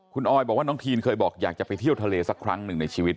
คุณออยบอกว่าน้องทีนเคยบอกอยากจะไปเที่ยวทะเลสักครั้งหนึ่งในชีวิต